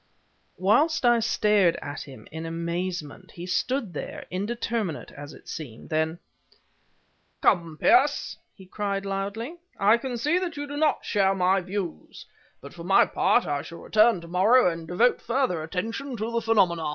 Whilst I stared at him in amazement, he stood there indeterminate as it seemed, Then: "Come, Pearce!" he cried loudly, "I can see that you do not share my views; but for my own part I shall return to morrow and devote further attention to the phenomena."